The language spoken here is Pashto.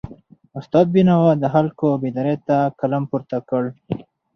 استاد بینوا د خلکو بیداری ته قلم پورته کړ.